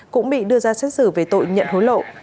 cũng bị đưa ra xét xử về tội nhận hối lộ